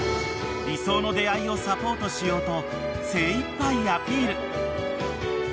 ［理想の出合いをサポートしようと精いっぱいアピール］